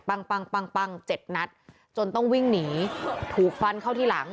ปั้งปั้งปั้งเจ็ดนัดจนต้องวิ่งหนีถูกฟันเข้าที่หลัง